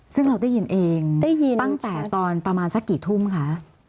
ซึ่งเราได้ยินเองได้ยินตั้งแต่ตอนประมาณสักกี่ทุ่มคะ